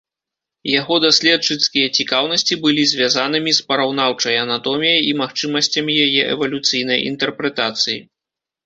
Яго даследчыцкія цікаўнасці былі звязанымі з параўнаўчай анатоміяй і магчымасцямі яе эвалюцыйнай інтэрпрэтацыі.